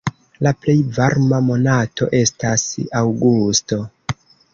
La plej varma monato estas aŭgusto.